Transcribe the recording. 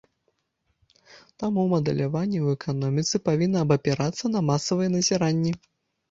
Таму мадэляванне ў эканоміцы павінна абапірацца на масавыя назіранні.